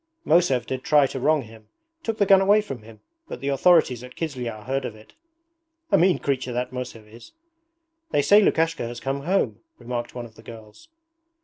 'Mosev did try to wrong him. Took the gun away from him, but the authorities at Kizlyar heard of it.' 'A mean creature that Mosev is!' 'They say Lukashka has come home,' remarked one of the girls.